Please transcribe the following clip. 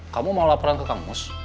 kamu mau laporan ke kang mus